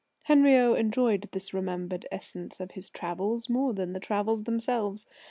Henriot enjoyed this remembered essence of his travels more than the travels themselves.